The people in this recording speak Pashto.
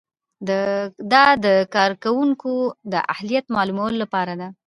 دا د کارکوونکي د اهلیت معلومولو لپاره ده.